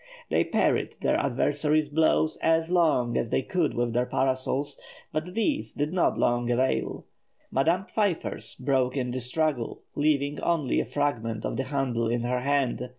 They parried their adversary's blows as long as they could with their parasols, but these did not long avail; Madame Pfeiffer's broke in the struggle, leaving only a fragment of the handle in her hand.